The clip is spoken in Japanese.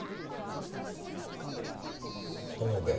友部。